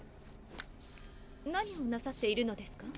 何をなさっているのですか？